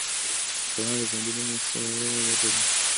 ټولنه د ژوندي بدن سره ورته ده.